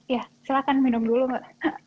ya silahkan minum dulu mbak